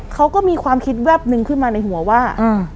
เขาก็มีความคิดแวบนึงขึ้นมาในหัวว่า